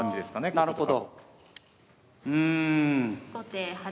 なるほど。